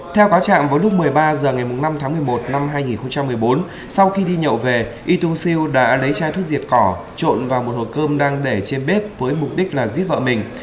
theo cáo trạng vào lúc một mươi ba h ngày năm tháng một mươi một năm hai nghìn một mươi bốn sau khi đi nhậu về y tu siêu đã lấy chai thuốc diệt cỏ trộn vào một hộp cơm đang để trên bếp với mục đích là giết vợ mình